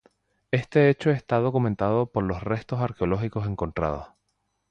Este hecho está documentado por los restos arqueológicos encontrados.